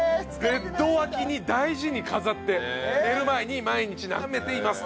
ベッド脇に大事に飾って寝る前に毎日眺めていますと。